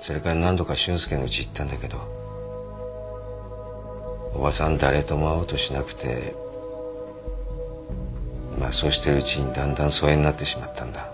それから何度か俊介のうち行ったんだけどおばさん誰とも会おうとしなくてそうしてるうちにだんだん疎遠になってしまったんだ。